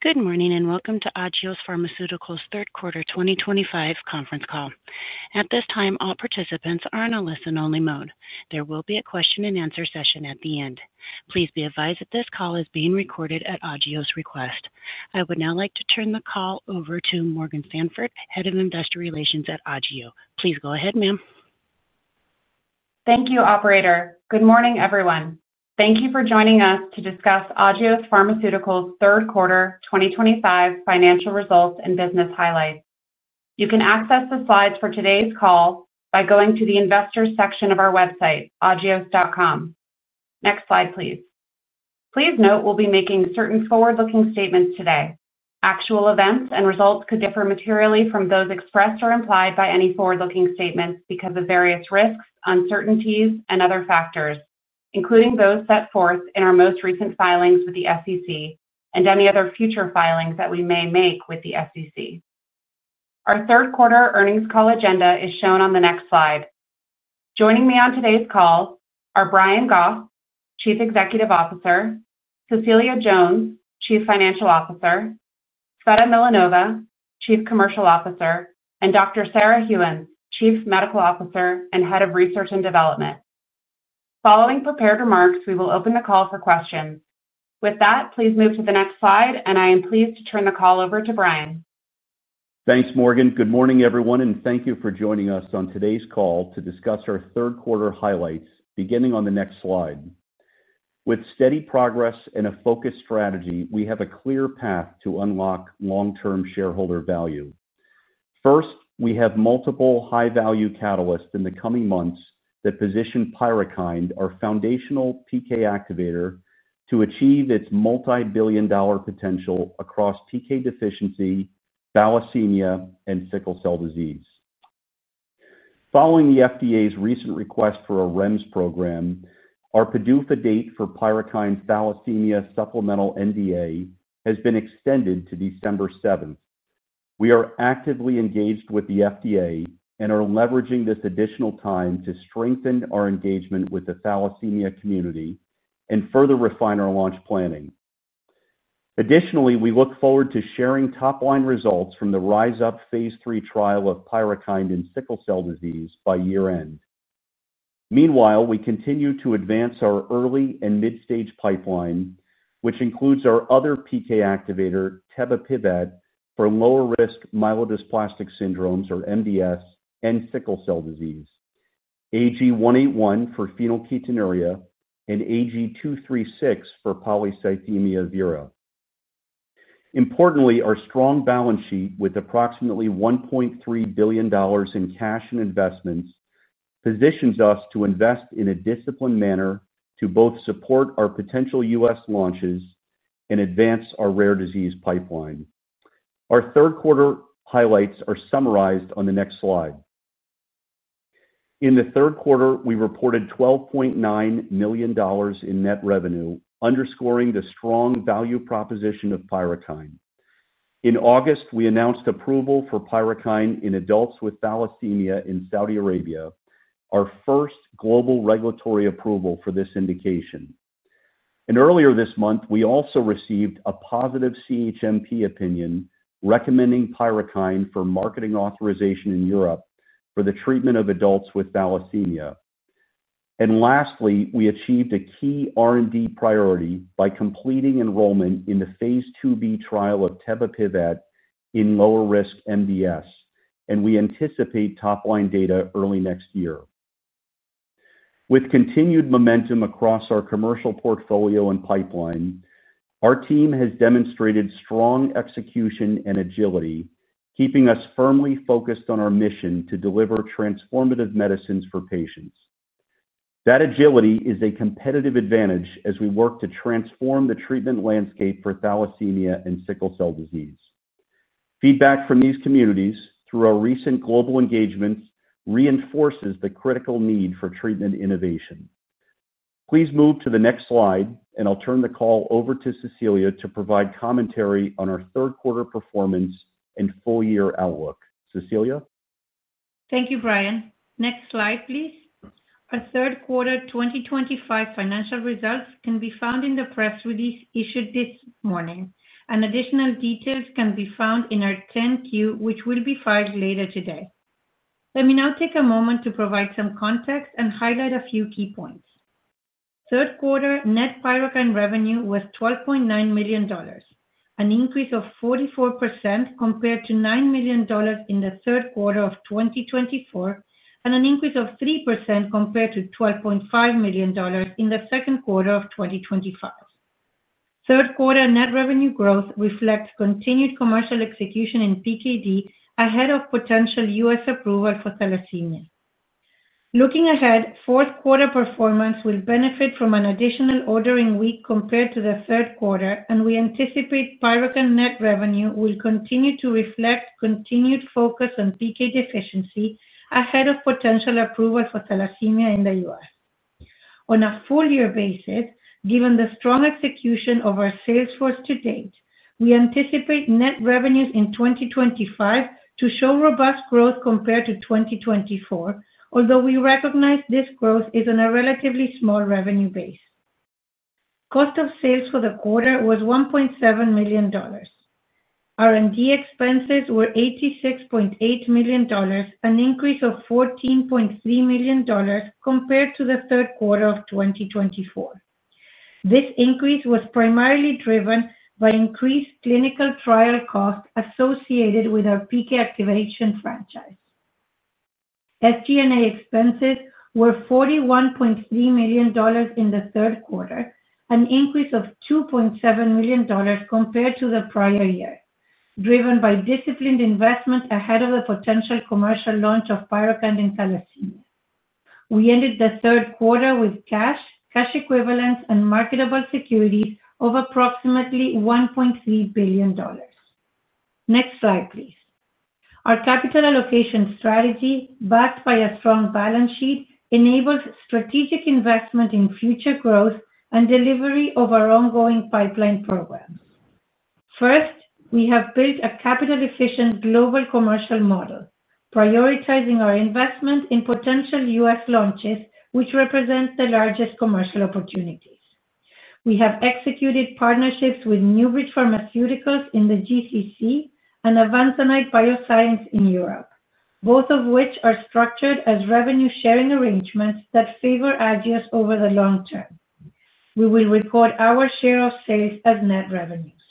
Good morning and welcome to Agios Pharmaceuticals Third Quarter 2025 Conference Call. At this time all participants are in a listen-only mode. There will be a question and answer session at the end. Please be advised that this call is being recorded at Agios's request. I would now like to turn the call over to Morgan Sanford, Head of Investor Relations at Agios. Please go ahead, ma'am. Thank you, operator. Good morning, everyone. Thank you for joining us to discuss Agios Pharmaceuticals Third Quarter 2025 Financial Results and business highlights. You can access the slides for today's call by going to the Investors section of our website, agios.com. Next slide, please. Please note we'll be making certain forward-looking statements today. Actual events and results could differ materially from those expressed or implied by any forward-looking statements because of various risks and uncertainties and other factors, including those set forth in our most recent filings with the SEC and any other future filings that we may make with the SEC. Our third quarter earnings call agenda is shown on the next slide. Joining me on today's call are Brian Goff, Chief Executive Officer; Cecilia Jones, Chief Financial Officer; Tsveta Milanova, Chief Commercial Officer; and Dr. Sarah Gheuens, Chief Medical Officer and Head of Research and Development. Following prepared remarks, we will open the call for questions. With that, please move to the next slide, and I am pleased to turn the call over to Brian. Thanks, Morgan. Good morning, everyone, and thank you for joining us on today's call to discuss our third quarter highlights. Beginning on the next slide. With steady progress and a focused strategy, we have a clear path to unlock long-term shareholder value. First, we have multiple high-value catalysts in the coming months that position PYRUKYND, our foundational PK activator, to achieve its multi-billion dollar potential across PK deficiency, thalassemia, and sickle cell disease. Following the FDA's recent request for a REMS program, our PDUFA date for PYRUKYND thalassemia supplemental NDA has been extended to December 7th. We are actively engaged with the FDA and are leveraging this additional time to strengthen our engagement with the thalassemia community and further refine our launch planning. Additionally, we look forward to sharing top-line results from the RISE UP phase III trial of PYRUKYND in sickle cell disease by year end. Meanwhile, we continue to advance our early and mid-stage pipeline, which includes our other PK activator tebapivat for lower-risk myelodysplastic syndromes, or MDS, and sickle cell disease, AG-181 for phenylketonuria, and AG-236 for polycythemia vera. Importantly, our strong balance sheet with approximately $1.3 billion in cash and investments positions us to invest in a disciplined manner to both support our potential U.S. launches and advance our rare disease pipeline. Our third quarter highlights are summarized on the next slide. In the third quarter, we reported $12.9 million in net revenue, underscoring the strong value proposition of PYRUKYND. In August, we announced approval for PYRUKYND in adults with thalassemia in Saudi Arabia, our first global regulatory approval for this indication. Earlier this month, we also received a positive CHMP opinion recommending PYRUKYND for marketing authorization in Europe for the treatment of adults with thalassemia. Lastly, we achieved a key R&D priority by completing enrollment in the phase II-B trial of tebapivat in lower-risk MDS, and we anticipate top-line data early next year. With continued momentum across our commercial portfolio and pipeline, our team has demonstrated strong execution and agility, keeping us firmly focused on our mission to deliver transformative medicines for patients. That agility is a competitive advantage as we work to transform the treatment landscape for thalassemia and sickle cell disease. Feedback from these communities through our recent global engagements reinforces the critical need for treatment innovation. Please move to the next slide and I'll turn the call over to Cecilia to provide commentary on our third quarter performance and full year outlook. Cecilia, thank you, Brian. Next slide, please. Our third quarter 2025 financial results can be found in the press release issued this morning, and additional details can be found in our 10-Q, which will be filed later today. Let me now take a moment to provide some context and highlight a few key points. Third quarter net PYRUKYND revenue was $12.9 million, an increase of 44% compared to $9 million in the third quarter of 2024, and an increase of 3% compared to $12.5 million in the second quarter of 2025. Third quarter net revenue growth reflects continued commercial execution in PKD ahead of potential U.S. approval for thalassemia. Looking ahead, fourth quarter performance will benefit from an additional ordering week compared to the third quarter, and we anticipate PYRUKYND net revenue will continue to reflect continued focus on PK deficiency ahead of potential approval for thalassemia in the U.S. on a full-year basis. Given the strong execution of our sales force to date, we anticipate net revenues in 2025 to show robust growth compared to 2024, although we recognize this growth is on a relatively small revenue base. Cost of sales for the quarter was $1.7 million. R&D expenses were $86.8 million, an increase of $14.3 million compared to the third quarter of 2024. This increase was primarily driven by increased clinical trial costs associated with our PK activation franchise. SG&A expenses were $41.3 million in the third quarter, an increase of $2.7 million compared to the prior year, driven by disciplined investment. Ahead of the potential commercial launch of PYRUKYND in thalassemia, we ended the third quarter with cash, cash equivalents, and marketable securities of approximately $1.3 billion. Next slide, please. Our capital allocation strategy, backed by a strong balance sheet, enables strategic investment in future growth and delivery of our ongoing pipeline programs. First, we have built a capital-efficient global commercial model, prioritizing our investment in potential U.S. launches, which represent the largest commercial opportunities. We have executed partnerships with NewBridge Pharmaceuticals in the GCC and Avanzanite Bioscience in Europe, both of which are structured as revenue-sharing arrangements that favor Agios. Over the long term, we will record our share of sales as net revenues.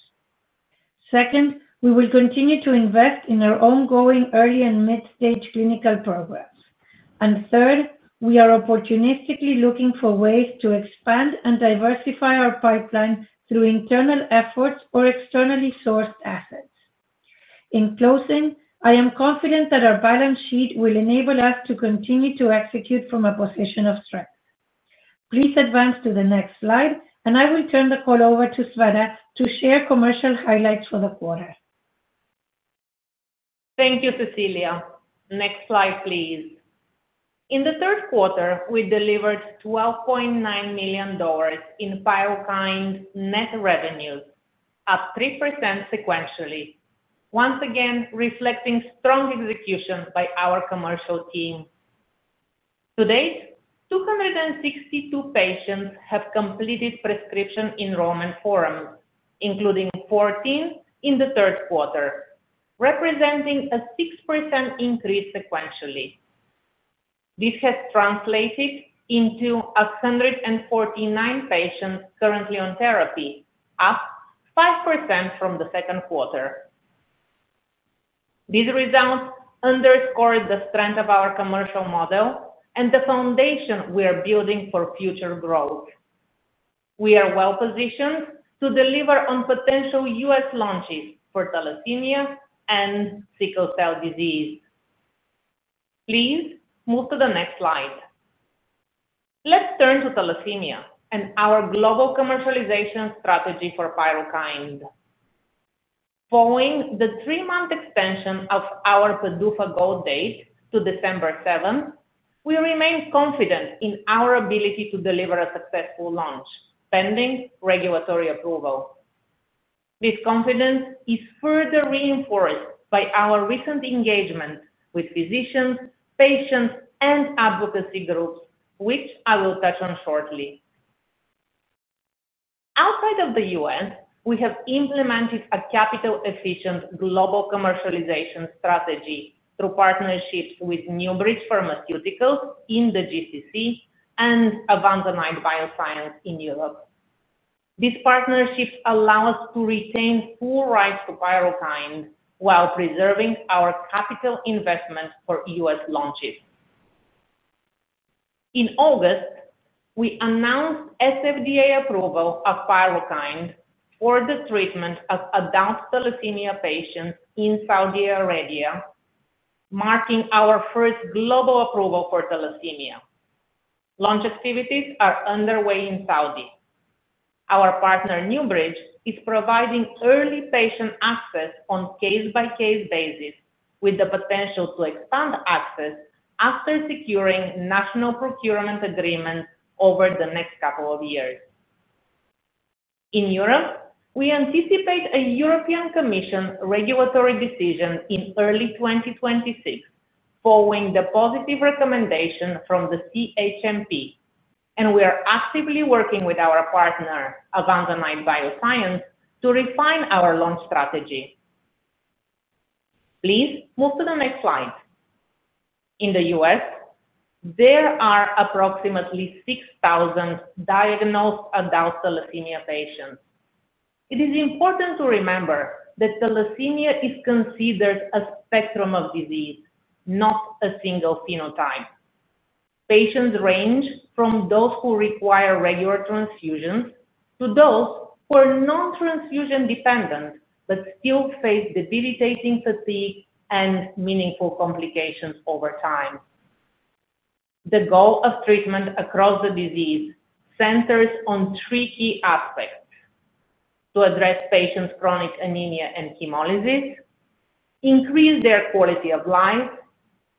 Second, we will continue to invest in our ongoing early and mid-stage clinical programs. Third, we are opportunistically looking for ways to expand and diversify our pipeline through internal efforts or externally sourced assets. In closing, I am confident that our balance sheet will enable us to continue to execute from a position of strength. Please advance to the next slide, and I will turn the call over to Tsveta to share commercial highlights for the quarter. Thank you, Cecilia. Next slide, please. In the third quarter, we delivered $12.9 million in PYRUKYND net revenues, up 3% sequentially, once again reflecting strong execution by our commercial team. To date, 262 patients have completed prescription enrollment forms, including 14 in the third quarter, representing a 6% increase. Sequentially, this has translated into 149 patients currently on therapy, up 5% from the second quarter. These results underscore the strength of our commercial model and the foundation we are building for future growth. We are well positioned to deliver on potential U.S. launches for thalassemia and sickle cell disease. Please move to the next slide. Let's turn to thalassemia and our global commercialization strategy for PYRUKYND. Following the 3-month extension of our PDUFA goal date to December 7th, we remain confident in our ability to deliver a successful launch pending regulatory approval. This confidence is further reinforced by our recent engagement with physicians, patients, and advocacy groups, which I will touch on shortly. Outside of the U.S., we have implemented a capital-efficient global commercialization strategy through partnerships with NewBridge Pharmaceuticals in the GCC and Avanzanite Bioscience in Europe. These partnerships allow us to retain full rights to PYRUKYND while preserving our capital investment for U.S. launches. In August, we announced SFDA approval of PYRUKYND for the treatment of adult thalassemia patients in Saudi Arabia, marking our first global approval for thalassemia. Launch activities are underway in Saudi. Our partner NewBridge is providing early patient access on a case-by-case basis, with the potential to expand access after securing a national procurement agreement over the next couple of years. In Europe, we anticipate a European Commission regulatory decision in early 2026 following the positive recommendation from the CHMP, and we are actively working with our partner Avanzanite Bioscience to refine our launch strategy. Please move to the next slide. In the U.S., there are approximately 6,000 diagnosed adult thalassemia patients. It is important to remember that thalassemia is considered a spectrum of disease, not a single phenotype. Patients range from those who require regular transfusions to those who are non-transfusion dependent but still face debilitating fatigue and meaningful complications over time. The goal of treatment across the disease centers on three key to address patients, chronic anemia and hemolysis, increase their quality of life,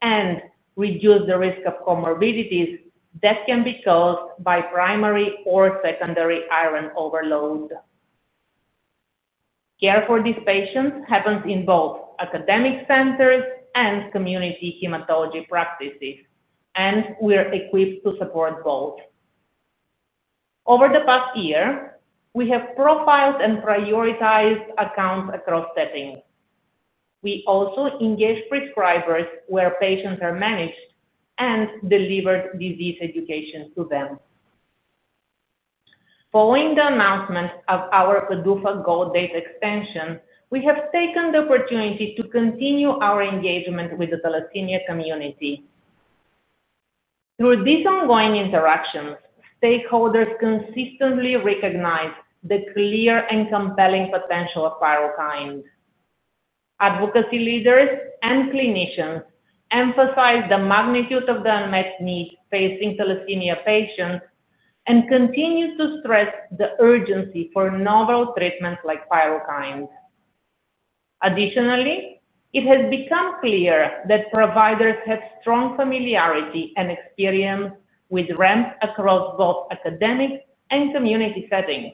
and reduce the risk of comorbidities that can be caused by primary or secondary iron overload. Care for these patients happens in both academic centers and community hematology practices, and we're equipped to support both. Over the past year, we have profiled and prioritized accounts across settings. We also engaged prescribers where patients are managed and delivered disease education to them. Following the announcement of our PDUFA goal date extension, we have taken the opportunity to continue our engagement with the thalassemia community. Through these ongoing interactions, stakeholders consistently recognize the clear and compelling potential of PYRUKYND. Advocacy leaders and clinicians emphasize the magnitude of the unmet needs facing thalassemia patients and continue to stress the urgency for novel treatments like PYRUKYND. Additionally, it has become clear that providers have strong familiarity and experience with REMS across both academic and community settings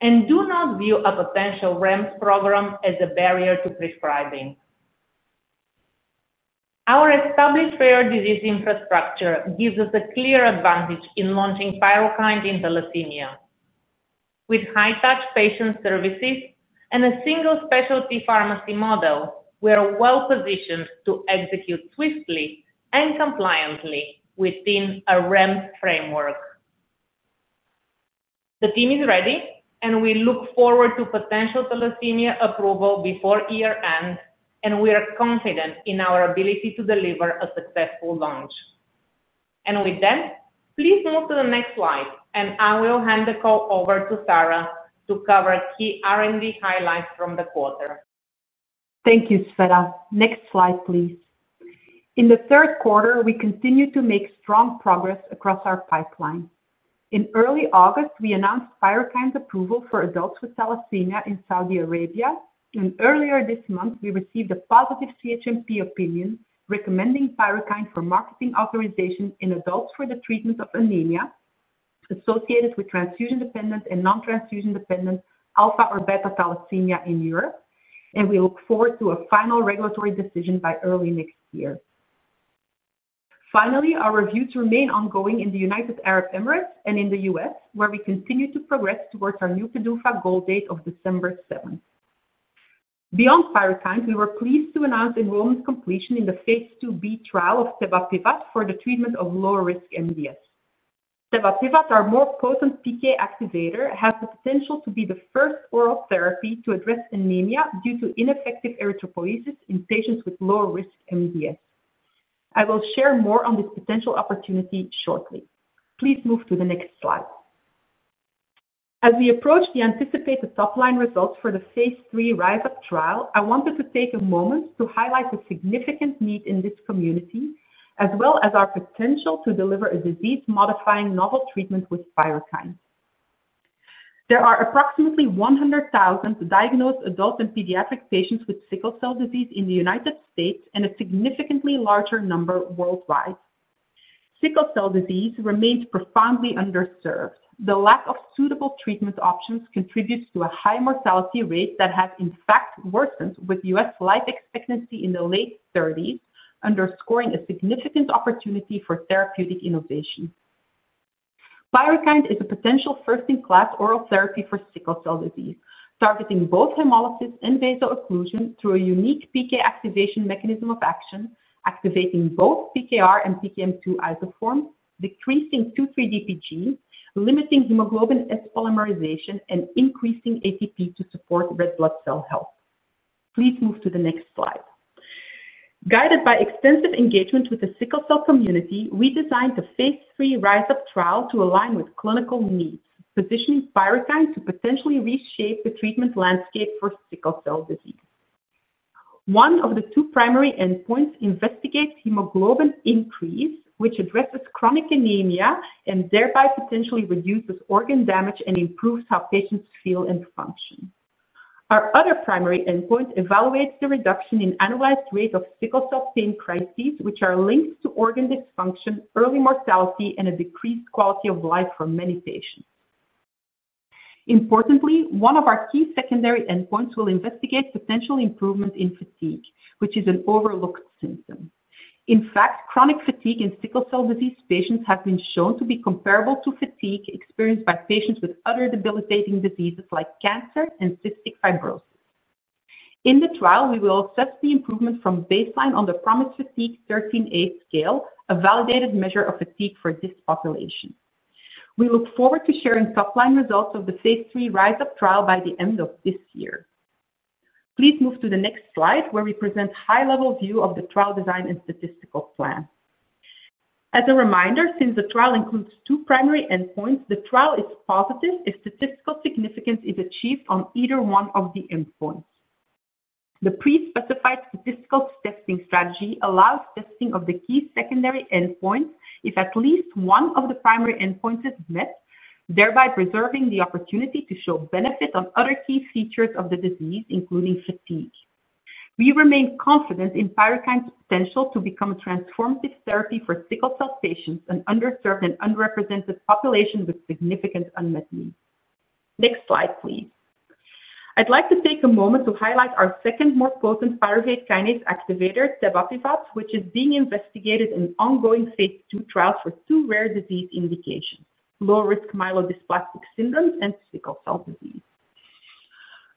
and do not view a potential REMS program as a barrier to prescribing. Our established rare disease infrastructure gives us a clear advantage in launching PYRUKYND in thalassemia. With high-touch patient services and a single specialty pharmacy model, we are well positioned to execute swiftly and compliantly within a REMS framework. The team is ready, and we look forward to potential thalassemia approval before year end. We are confident in our ability to deliver a successful launch, and with that, please move to the next slide and I will hand the call over to Sarah to cover key R&D highlights from the quarter. Thank you, Tsveta. Next slide, please. In the third quarter, we continue to make strong progress across our pipeline. In early August, we announced PYRUKYND's approval for adults with thalassemia in Saudi Arabia, and earlier this month, we received a positive CHMP opinion recommending PYRUKYND for marketing authorization in adults for the treatment of anemia associated with transfusion-dependent and non-transfusion-dependent alpha or beta thalassemia in Europe, and we look forward to a final regulatory decision by early next year. Finally, our reviews remain ongoing in the United Arab Emirates and in the U.S., where we continue to progress towards our new PDUFA goal date of December 7th. Beyond PYRUKYND, we were pleased to announce enrollment completion in the phase II-B trial of tebapivat for the treatment of low-risk MDS. Tebapivat, our more potent PK activator, has the potential to be the first oral therapy to address anemia due to ineffective erythropoiesis in patients with low-risk MDS. I will share more on this potential opportunity shortly. Please move to the next slide. As we approach the anticipated top-line results for the phase III RISE UP trial, I wanted to take a moment to highlight the significant need in this community as well as our potential to deliver a disease-modifying novel treatment with PYRUKYND. There are approximately 100,000 diagnosed adult and pediatric patients with sickle cell disease in the United States and a significantly larger number worldwide. Sickle cell disease remains profoundly underserved. The lack of suitable treatment options contributes to a high mortality rate that has in fact worsened, with U.S. life expectancy in the late 30s. Underscoring a significant opportunity for therapeutic innovation, PYRUKYND is a potential first-in-class oral therapy for sickle cell disease targeting both hemolysis and vaso-occlusion through a unique PK activation mechanism of action, activating both PKR and PKM2 isoforms, decreasing 2,3-DPG, limiting hemoglobin S polymerization, and increasing ATP to support red blood cell health. Please move to the next slide. Guided by extensive engagement with the sickle cell community, we designed the phase III RISE UP trial to align with clinical needs, positioning PYRUKYND to potentially reshape the treatment landscape for sickle cell disease. One of the two primary endpoints investigates hemoglobin increase, which addresses chronic anemia and thereby potentially reduces organ damage and improves how patients feel and function. Our other primary endpoint evaluates the reduction in analyzed rate of sickle cell pain crises, which are linked to organ dysfunction, early mortality, and a decreased quality of life for many patients. Importantly, one of our key secondary endpoints will investigate potential improvement in fatigue, which is an overlooked symptom. In fact, chronic fatigue in sickle cell disease patients has been shown to be comparable to fatigue experienced by patients with other debilitating diseases like cancer and cystic fibrosis. In the trial, we will assess the improvement from baseline on the PROMIS Fatigue 13a scale, a validated measure of fatigue for this population. We look forward to sharing top-line results of the phase III RISE UP trial by the end of this year. Please move to the next slide where we present a high-level view of the trial design and statistical plan. As a reminder, since the trial includes two primary endpoints, the trial is positive if statistical significance is achieved on either one of the endpoints. The pre-specified statistical testing strategy allows testing of the key secondary endpoints if at least one of the primary endpoints is met, thereby preserving the opportunity to show benefit on other key features of the disease, including fatigue. We remain confident in PYRUKYND's potential to become a transformative therapy for sickle cell patients, an underserved and underrepresented population with significant unmet needs. Next slide please. I'd like to take a moment to highlight our second, more potent pyruvate kinase activator, tebapivat, which is being investigated in ongoing phase II trials for two rare diseases indication: lower-risk myelodysplastic syndromes and sickle cell disease.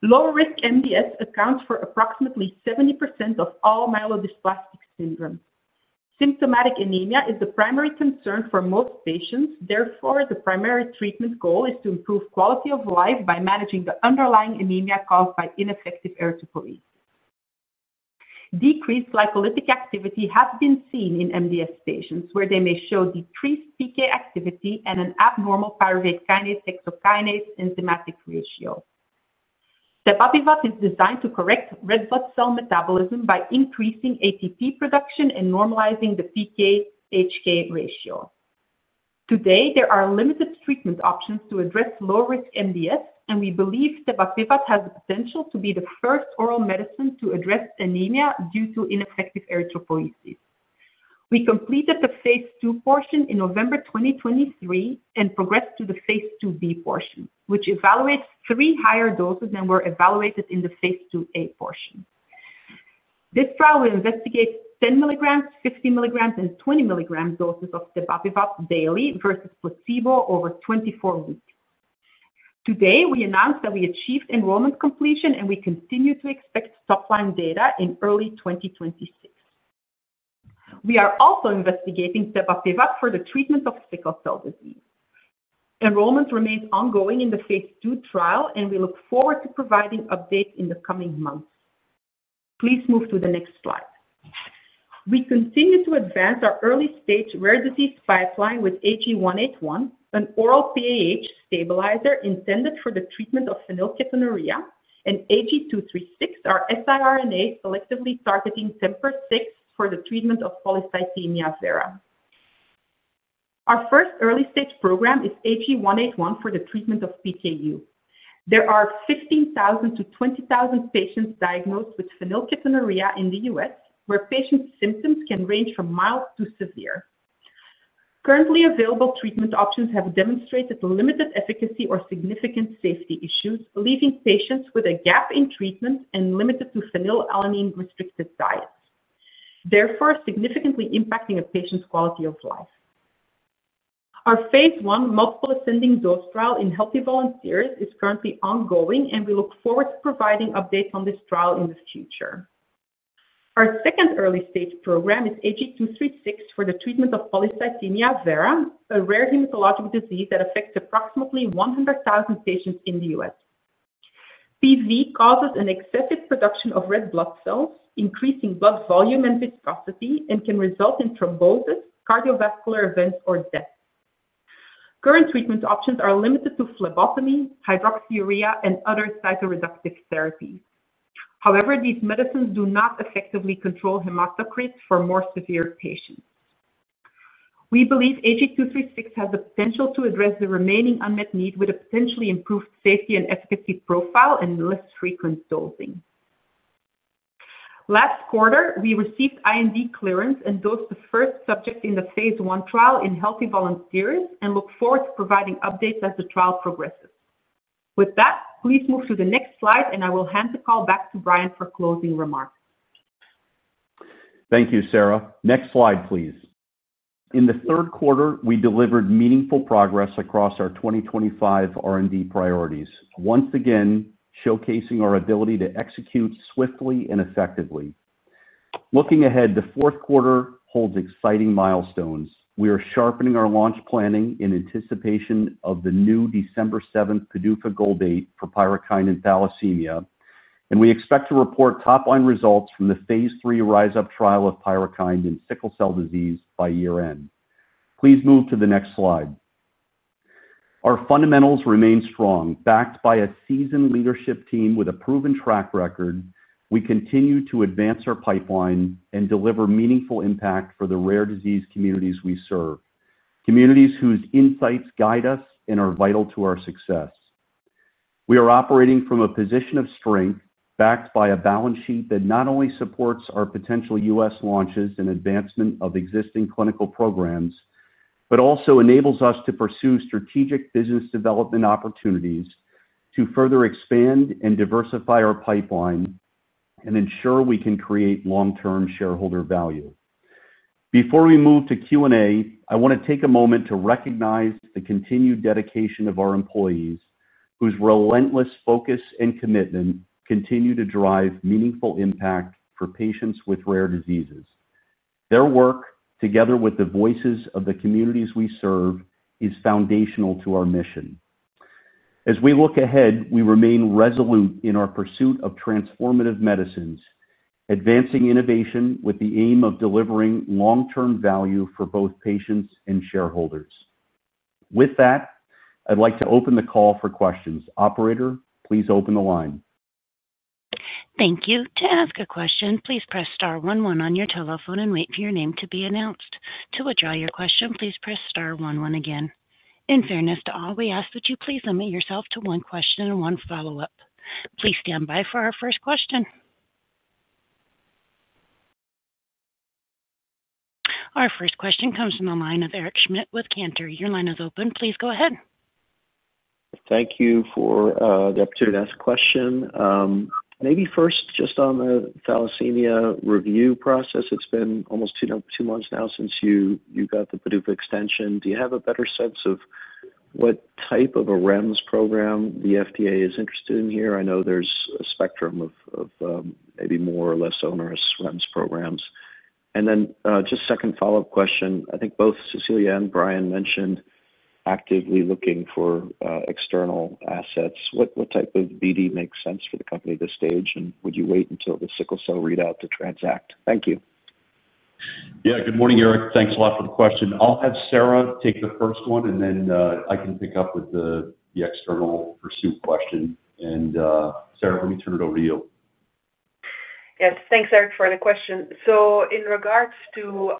Lower-risk MDS accounts for approximately 70% of all myelodysplastic syndromes. Symptomatic anemia is the primary concern for most patients. Therefore, the primary treatment goal is to improve quality of life by managing the underlying anemia caused by ineffective erythropoiesis. Decreased glycolytic activity has been seen in MDS patients, where they may show decreased PK activity and an abnormal pyruvate kinase hexokinase enzymatic ratio. Tebapivat is designed to correct [RBC] metabolism by increasing ATP production and normalizing the PKHK ratio. Today there are limited treatment options to address low-risk MDS and we believe tebapivat has the potential to be the first oral medicine to address anemia due to ineffective erythropoiesis. We completed the phase II portion in November 2023 and progressed to the phase II-B portion, which evaluates three higher doses that were evaluated in phase II-A portion. This trial will investigate 10 mg, 50 mg, and 20 mg doses of tebapivat daily versus placebo over 24 weeks. Today we announced that we achieved enrollment completion and we continue to expect top-line data in early 2026. We are also investigating tebapivat for the treatment of sickle cell disease. Enrollment remains ongoing in the phase II trial and we look forward to providing updates in the coming months. Please move to the next slide. We continue to advance our early-stage rare disease pipeline with AG-181, an oral PAH stabilizer intended for the treatment of phenylketonuria, and AG-236, a siRNA selectively targeting TMPRSS6 for the treatment of polycythemia vera. Our first early-stage program is AG-181 for the treatment of PKU. There are 15,000-20,000 patients diagnosed with phenylketonuria in the U.S. where patients' symptoms can range from mild to severe. Currently available treatment options have demonstrated limited efficacy or significant safety issues, leaving patients with a gap in treatment and limited to phenylalanine-restricted diets, therefore significantly impacting a patient's quality of life. Our phase I multiple ascending dose trial in healthy volunteers is currently ongoing and we look forward to providing updates on this trial in the future. Our second early-stage program is AG-236 for the treatment of polycythemia vera, a rare hematologic disease that affects approximately 100,000 patients in the U.S. PV causes an excessive production of red blood cells, increasing blood volume and viscosity and can result in thrombosis, cardiovascular events, or death. Current treatment options are limited to phlebotomy, hydroxyurea, and other cytoreductive therapies. However, these medicines do not effectively control hematocrit for more severe patients. We believe AG-236 has the potential to address the remaining unmet need with a potentially improved safety and efficacy profile and less frequent dosing. Last quarter we received IND clearance and dosed the first subject in the phase I trial in healthy volunteers and look forward to providing updates as the trial progresses. With that, please move to the next slide, and I will hand the call back to Brian for closing remarks. Thank you, Sarah. Next slide, please. In the third quarter, we delivered meaningful progress across our 2025 R&D priorities, once again showcasing our ability to execute swiftly and effectively. Looking ahead, the fourth quarter holds exciting milestones. We are sharpening our launch planning in anticipation of the new December 7th, PDUFA goal date for PYRUKYND in thalassemia, and we expect to report top line results from the phase III RISE UP trial of PYRUKYND in sickle cell disease by year end. Please move to the next slide. Our fundamentals remain strong. Backed by a seasoned leadership team with a proven track record, we continue to advance our pipeline and deliver meaningful impact for the rare disease communities we serve, communities whose insights guide us and are vital to our success. We are operating from a position of strength, backed by a balance sheet that not only supports our potential U.S. launches and advancement of existing clinical programs, but also enables us to pursue strategic business development opportunities to further expand and diversify our pipeline and ensure we can create long-term shareholder value. Before we move to Q&A, I want to take a moment to recognize the continued dedication of our employees, whose relentless focus and commitment continue to drive meaningful impact for patients with rare diseases. Their work, together with the voices of the communities we serve, is foundational to our mission. As we look ahead, we remain resolute in our pursuit of transformative medicines, advancing innovation with the aim of delivering long-term value for both patients and shareholders. With that, I'd like to open the call for questions. Operator, please open the line. Thank you. To ask a question, please press star one on your telephone and wait for your name to be announced. To withdraw your question, please press star one. Again, in fairness to all, we ask that you please limit yourself to one question and one follow up. Please stand by for our first question. Our first question comes from the line of Eric Schmidt with Cantor. Your line is open. Please go ahead. Thank you for the opportunity to ask a question. Maybe first, just on the thalassemia review process. It's been almost 2 months now since you got the PDUFA extension. Do you have a better sense of what type of a REMS program the FDA is interested in here? I know there's a spectrum of maybe more or less onerous REMS programs. Second follow up question. I think both Cecilia and Brian mentioned actively looking for external assets. What type of BD makes sense for the company at this stage? Would you wait until the sickle cell readout to transact? Thank you. Good morning Eric. Thanks a lot for the question. I'll have Sarah take the first one and then I can pick up with the external pursuit question. Sarah, let me turn it over to you. Yes, thanks Eric, for the question. In regards to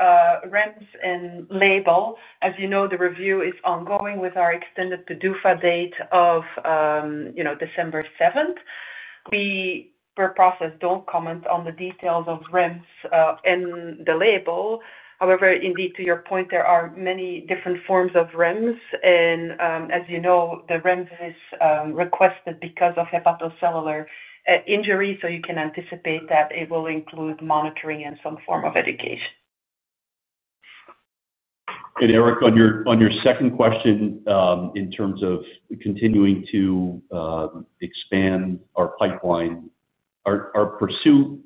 REMS and label, as you know, the review is ongoing with our extended PDUFA date of December 7th. We, per process, don't comment on the details of REMS in the label. However, indeed, to your point, there are many different forms of REMS. As you know, the REMS is requested because of hepatocellular injury. You can anticipate that it will include monitoring and some form of education. Eric, on your second question, in terms of continuing to expand our pipeline, our pursuit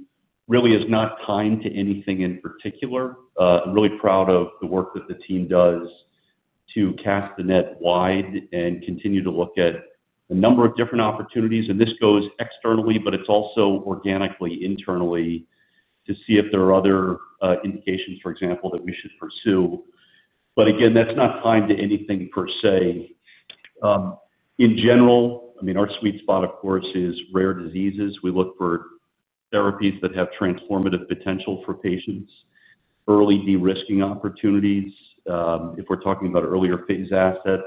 really is not tied to anything in particular. I'm really proud of the work that the team does to cast the net wide and continue to look at a number of different opportunities. This goes externally, but it's also organically, internally to see if there are other indications, for example, that we should pursue. That's not tied to anything per se in general. I mean, our sweet spot of course is rare diseases. We look for therapies that have transformative potential for patients, early de-risking opportunities if we're talking about earlier phase assets.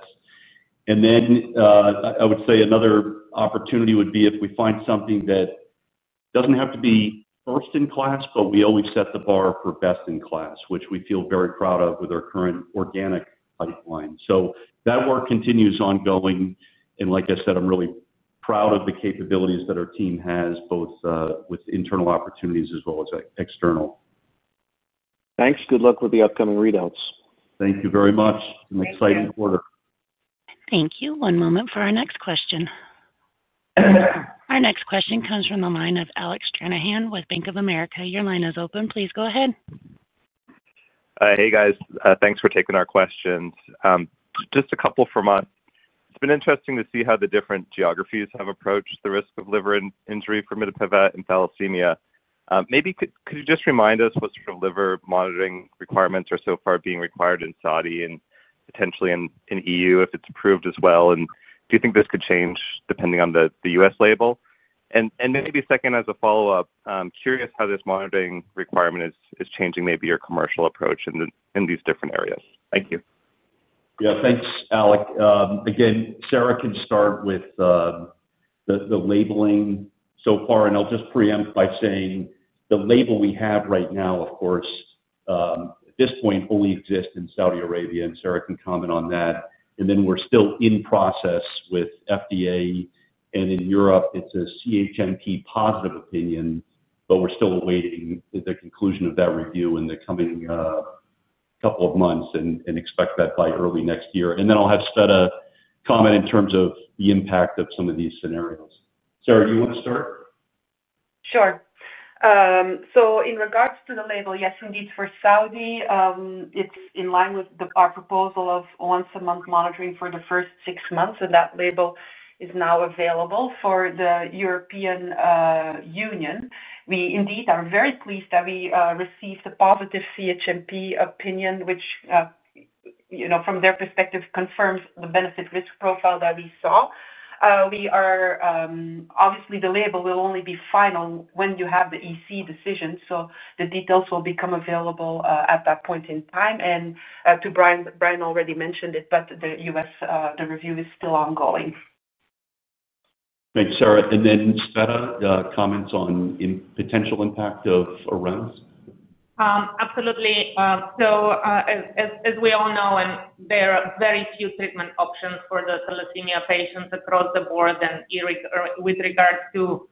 I would say another opportunity would be if we find something that doesn't have to be first in class. We always set the bar for best in class, which we feel very proud of with our current organic pipeline. That work continues ongoing and like I said, I'm really proud of the capabilities that our team has, both with internal opportunities as well as external. Thanks. Good luck with the upcoming readouts. Thank you very much. An exciting quarter. Thank you. One moment for our next question. Our next question comes from the line of Alec Stranahan with Bank of America. Your line is open. Please go ahead. Hey guys, thanks for taking our questions. Just a couple from us. It's been interesting to see how the different geographies have approached the risk of liver injury for mitapivat and thalassemia. Maybe could you just remind us what liver monitoring requirements are so far being required in Saudi Arabia and potentially in Europe if it's approved as well. Do you think this could change depending on the U.S. label? Maybe second as a follow up. Curious how this monitoring requirement is changing maybe your commercial approach in these different areas. Thank you. Yeah, thanks, Alec. Again, Sarah can start with the labeling so far and I'll just preempt by saying the label we have right now, of course at this point only exists in Saudi Arabia and Sarah can comment on that. We're still in process with FDA and in Europe it's a CHMP positive opinion, but we're still awaiting the conclusion of that review in the coming couple of months and expect that by early next year. I'll have Tsveta comment in terms of the impact of some of these scenarios. Sarah, do you want to start? Sure. In regards to the label, yes, indeed. For Saudi, it's in line with our proposal of once a month monitoring for the first 6 months. That label is not now available for the European Union. We indeed are very pleased that we received a positive CHMP opinion, which from their perspective confirms the benefit risk profile that we saw. Obviously, the label will only be final when you have the EC decision, so the details will become available at that point in time. Brian already mentioned it, but the U.S. review is still ongoing. Thanks, Sarah. Tsveta, comments on potential impact of REMS. Absolutely. As we all know, there are very few treatment options for the thalassemia patients across the board, and with regards to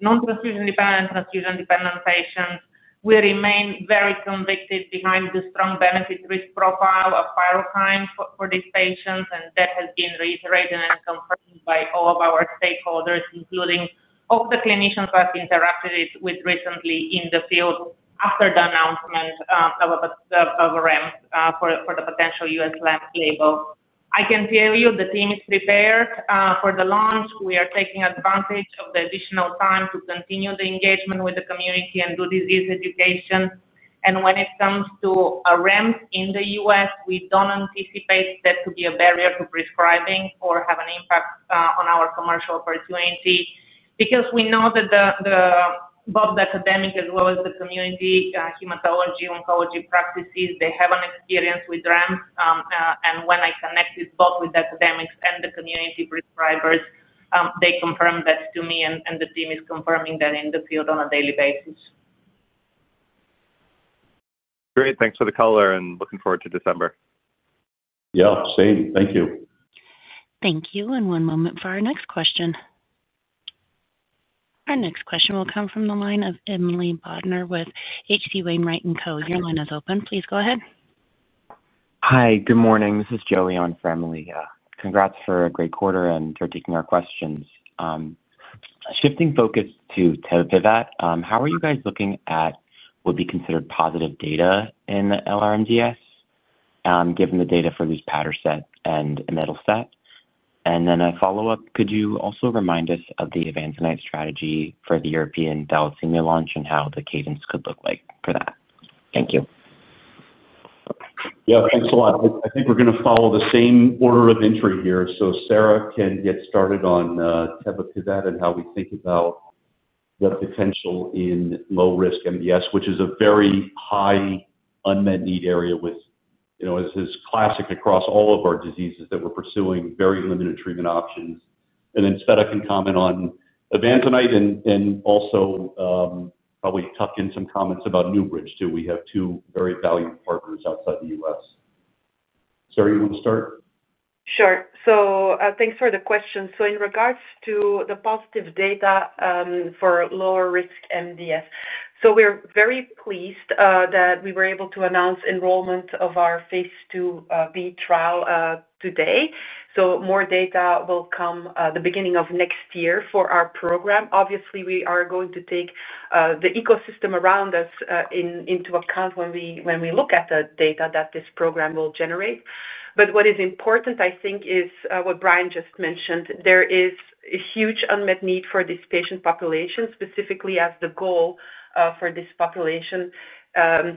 non-transfusion dependent and transfusion dependent patients, we remain very convicted behind the strong benefit-risk profile of PYRUKYND for these patients. That has been reiterated and confirmed by all of our stakeholders, including all the clinicians I've interacted with recently in the field. After the announcement of REMS for the potential U.S. label, I can tell you the team is prepared for the launch. We are taking advantage of the additional time to continue the engagement with the community and do disease education. When it comes to REMS in the U.S., we don't anticipate that to be a barrier to prescribing or have an impact on our commercial opportunity because we know that both the academic as well as the community hematology, oncology practices have experience with REMS. When I connected both with academics and the community prescribers, they confirmed that to me, and the team is confirming that in the field on a daily basis. Great. Thanks for the color and looking forward to December. Yeah, same. Thank you. Thank you. One moment for our next question. Our next question will come from the line of Emily Bodnar with H.C. Wainwright & Co. Your line is open. Please go ahead. Hi, good morning, this is [Joey for Emily here] Congrats for a great quarter and start taking our questions. Shifting focus to tebapivat, how are you guys looking at what would be considered positive data in LR-MDS given the data for luspatercept and imetelstat, and then a follow up. Could you also remind us of the Avanzanite strategy for the European thalassemia launch and how the cadence could look like for that? Thank you. Yeah, thanks a lot. I think we're going to follow the same order of entry here. Sarah can get started on tebapivat and how we think about the potential in low-risk MDS, which is a very high unmet need area, as is classic across all of our diseases that we're pursuing, very limited treatment options. Tsveta can comment on Avanzanite and also probably tuck in some comments about NewBridge too. We have two very valued partners outside the U.S. Sarah, you want to start? Sure. Thank you for the question. In regards to the positive data for lower-risk MDS, we are very pleased that we were able to announce enrollment of our phase II-B trial today. More data will come at the beginning of next year for our program. Obviously, we are going to take the ecosystem around us into account when we look at the data that this program will generate. What is important, I think, is what Brian just mentioned. There is a huge unmet need for this patient population, specifically as the goal for this population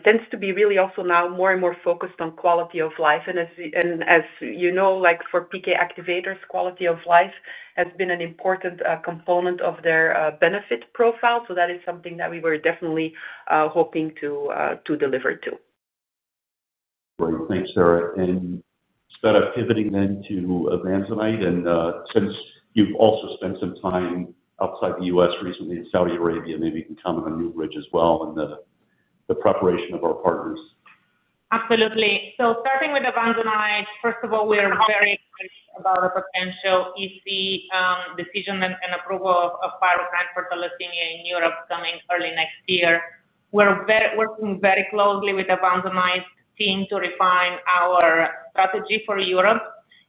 tends to be really also now more and more focused on quality of life. As you know, for PK activators, quality of life has been an important component of their benefit profile. That is something that we were definitely hoping to deliver to. Great. Thanks, Sarah and Tsveta. Pivoting then to Avanzanite, and since you've also spent some time outside the U.S. recently in Saudi Arabia, maybe you can comment on NewBridge as well in the preparation of our partners. Absolutely. Starting with Avanzanite, first of all, we are very excited about the potential EC decision and approval of PYRUKYND for thalassemia in Europe coming early next year. We're working very closely with the Avanzanite team to refine our strategy for Europe.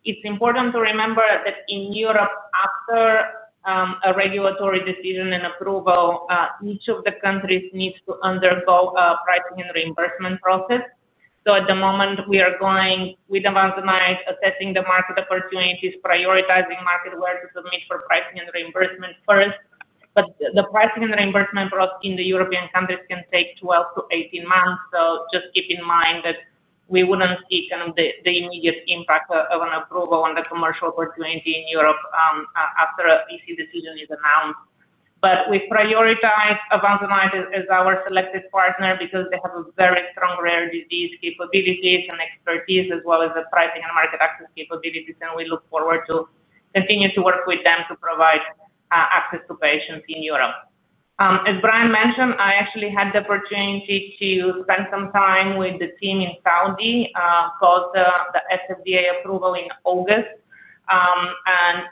It's important to remember that in Europe, after a regulatory decision and approval, each of the countries needs to undergo a pricing and reimbursement process. At the moment, we are going with Avanzanite, assessing the market opportunities, prioritizing markets where to submit for pricing and reimbursement. The pricing and reimbursement process in the European countries can take 12-18 months. Keep in mind that we wouldn't see the immediate impact of an approval on the commercial opportunity in Europe after the EC decision is announced. We prioritize Avanzanite as our selected partner because they have very strong rare disease capabilities and expertise as well as pricing and market access capabilities. We look forward to continuing to work with them to provide access to patients in Europe. As Brian mentioned, I actually had the opportunity to spend some time with the team in Saudi for the SFDA approval in August.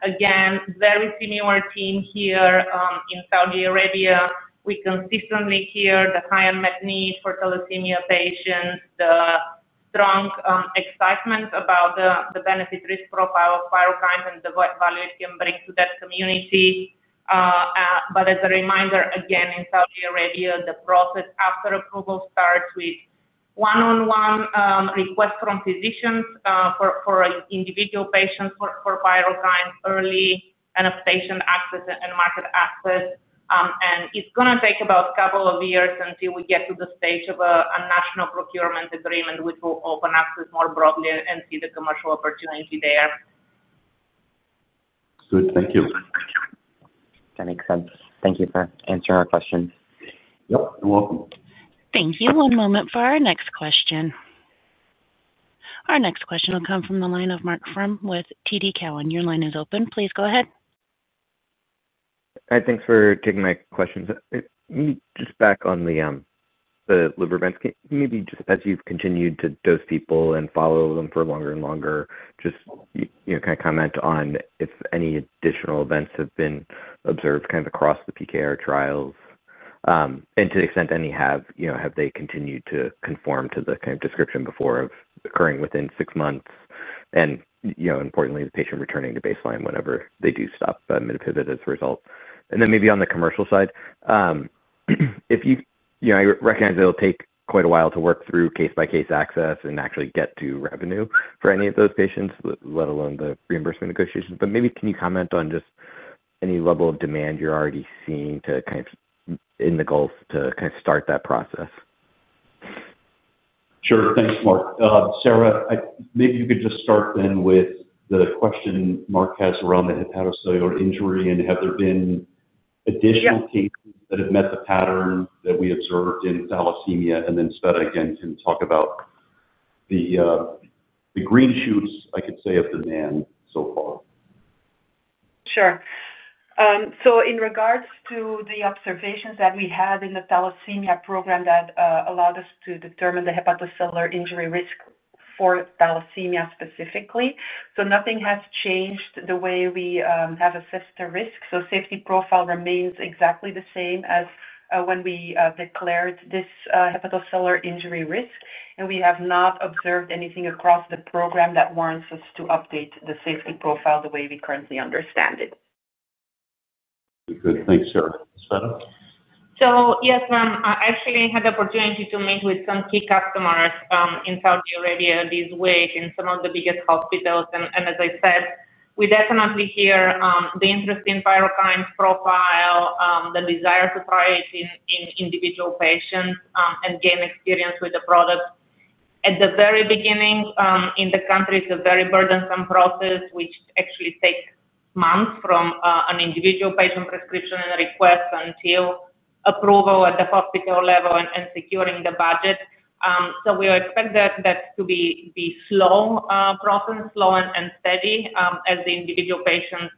Again, very similar team here in Saudi Arabia. We consistently hear the high unmet need for thalassemia patients, strong excitement about the benefit-risk profile of PYRUKYND and the value it can bring to that community. As a reminder, in Saudi Arabia, the process after approval starts with one-on-one requests from physicians for individual patients for PYRUKYND early in patient access and market access. It's going to take about a couple of years until we get to the stage of a national procurement agreement, which will open access more broadly and see the commercial opportunity there. Good. Thank you. That makes sense. Thank you for answering our questions. You're welcome. Thank you. One moment for our next question. Our next question will come from the line of Marc Frahm with TD Cowen. Your line is open. Please go ahead. Thanks for taking my questions. Just back on the liver events, maybe just as you've continued to dose people and follow them for longer and longer, just kind of comment on if any additional events have been observed across the PKR trials and to the extent any have, have they continued to conform to the kind of description before of occurring within 6 months and, you know, importantly the patient returning to baseline whenever they do stop MIT as a result. Maybe on the commercial side, I recognize it'll take quite a while to work through case-by-case access and actually get to revenue for any of those patients, let alone the reimbursement negotiations. Maybe can you comment on just any level of demand you're already seeing in the Gulf to kind of start that process? Sure. Thanks, Marc. Sarah, maybe you could just start then with the question Mark has around the hepatocellular injury and have there been additional cases that have met the pattern that we observed in thalassemia? Then Tsveta again can talk about the green shoots, I could say, of the demand so far. Sure. In regards to the observations that we had in the thalassemia program that allowed us to determine the hepatocellular injury risk for thalassemia specifically, nothing has changed the way we have assessed the risk. The safety profile remains exactly the same as when we declared this hepatocellular injury risk. We have not observed anything across the program that warrants us to update the safety profile the way we currently understand it. Good. Thanks, Sarah. Tsveta. Yes, ma'am. Actually, I had the opportunity to meet with some key customers in Saudi Arabia this week in some of the biggest hospitals. As I said, we definitely hear the interest in PYRUKYND's profile, the desire to try it in individual patients and gain experience with the product at the very beginning in the country. It's a very burdensome process, which actually takes months from an individual patient prescription and request until approval at the hospital level and securing the budget. We expect that to be a slow process, slow and steady. As the individual patient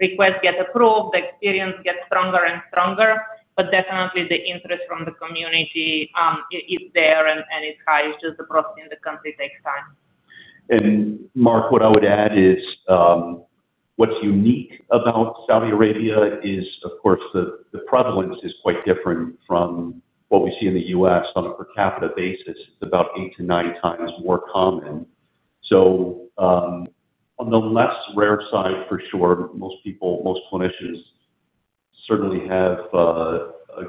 requests get approved, the experience gets stronger and stronger. Definitely, the interest from the community is there and it's high. It's just the process in the country takes time. Marc, what I would add is what's unique about Saudi Arabia is, of course, the prevalence is quite different from what we see in the U.S. On a per capita basis, about 8-9x more common. On the less rare side, for sure, most people, most clinicians certainly have a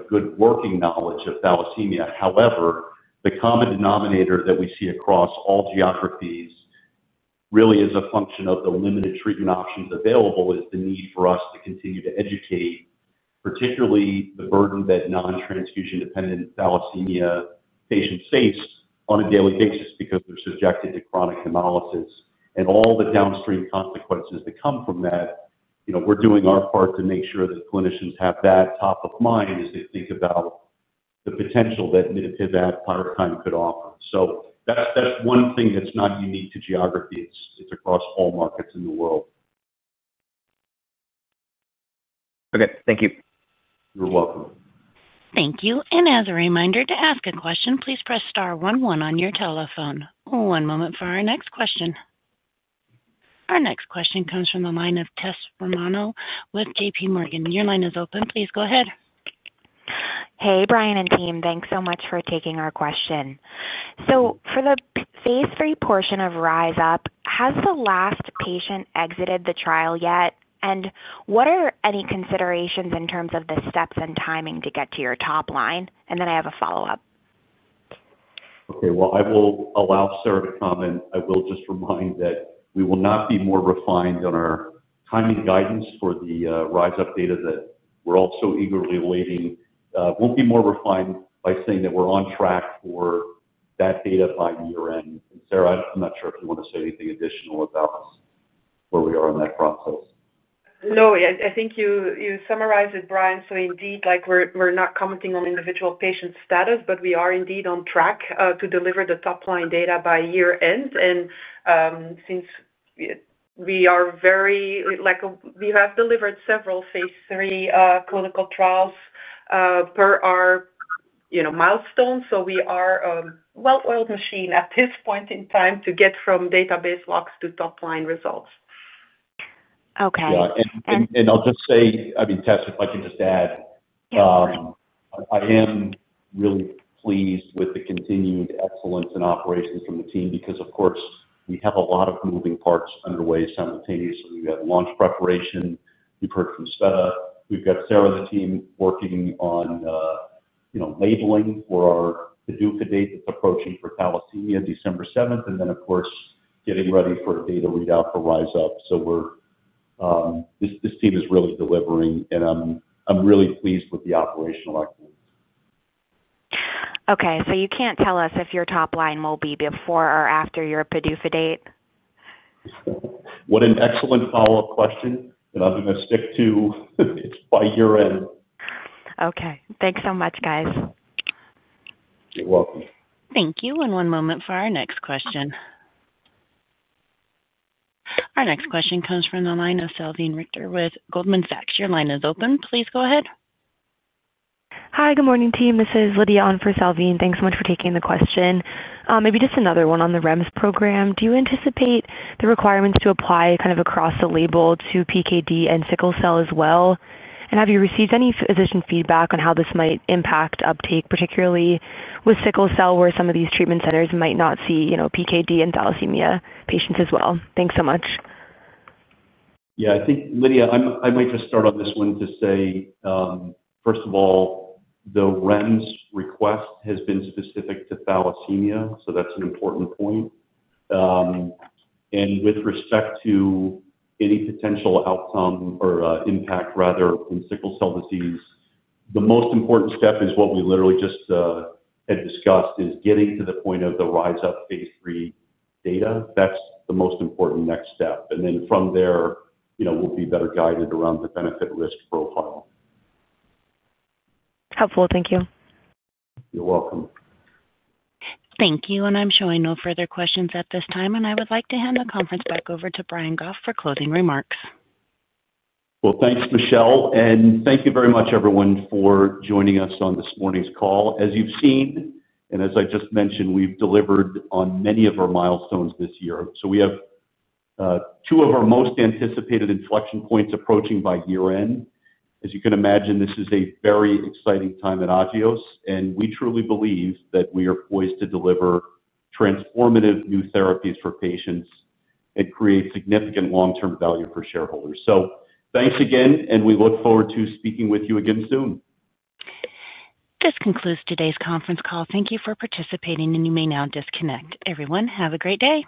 good working knowledge of thalassemia. However, the common denominator that we see across all geographies really is a function of the limited treatment options available and the need for us to continue to educate, particularly the burden that non-transfusion dependent thalassemia patients face on a daily basis because they're subjected to chronic hemolysis and all the downstream consequences that come from that. We're doing our part to make sure that clinicians have that top of mind as they think about the potential that tebapivat and PYRUKYND could offer. That's one thing that's not unique to geography. It's across all markets in the world. Okay, thank you. You're welcome. Thank you. As a reminder to ask a question, please press star one one on your telephone. One moment for our next question. Our next question comes from the line of Tessa Romero with JPMorgan. Your line is open. Please go ahead. Hi Brian and team, thanks so much for taking our question. For the phase III portion of RISE UP, has the last patient exited the trial yet, and what are any considerations in terms of the steps and timing to get to your top line? I have a follow-up. Okay, I will allow Sarah to comment. I will just remind that we will not be more refined on our timely guidance for the RISE UP data that we're all so eagerly awaiting. We won't be more refined by saying that we're on track for that data by year end. Sarah, I'm not sure if you want to say anything additional about where we are in that process. No, I think you summarized it, Brian. We are not commenting on individual patient status, but we are indeed on track to deliver the top line data by year end. We have delivered several phase III clinical trials per our milestone. We are a well-oiled machine at this point in time to get from database lock to top line results. Okay. I mean, Tess, if I can just add, I am really pleased with the continued excellence in operations from the team because of course we have a lot of moving parts underway. Simultaneously we have launch preparation. You've heard from Tsveta, we've got Sarah, the team working on labeling for our PDUFA date that's approaching for thalassemia December 7th, and then of course getting ready for a data readout for RISE UP. This team is really delivering and I'm really pleased with the operational activity. Okay, so you can't tell us if your top line will be before or after your PDUFA date. What an excellent follow-up question. I'm going to stick to it's by year end. Okay, thanks so much, guys. You're welcome. Thank you. One moment for our next question. Our next question comes from the line of Salveen Richter with Goldman Sachs. Your line is open. Please go ahead. Hi, good morning team. This is Lydia on for Salveen. Thanks so much for taking the question. Maybe just another one. On the REMS program, do you anticipate the requirements to apply kind of across the label to PKD and sickle cell as well? Have you received any physician feedback on how this might impact uptake, particularly with sickle cell, where some of these treatment centers might not see PKD and thalassemia patients as well? Thanks so much. I think, Lydia, I might just start on this one to say first of all, the REMS request has been specific to thalassemia. That's an important point. With respect to any potential outcome or impact, rather in sickle cell disease, the most important step is what we literally just discussed, which is getting to the point of the RISE UP phase III data. That's the most important next step. From there we'll be better guided around the benefit risk profile. Helpful. Thank you. You're welcome. Thank you. I'm showing no further questions at this time. I would like to hand the conference back over to Brian Goff for closing remarks. Thank you very much everyone for joining us on this morning's call. As you've seen, and as I just mentioned, we've delivered on many of our milestones this year. We have two of our most anticipated inflection points approaching by year end. As you can imagine, this is a very exciting time at Agios. We truly believe that we are poised to deliver transformative new therapies for patients and create significant long term value for shareholders. Thank you again and we look forward to speaking with you again soon. This concludes today's conference call. Thank you for participating and you may now disconnect. Everyone, have a great day.